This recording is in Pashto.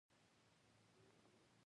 ما د تجربو په پايله کې يو څه زده کړي وو.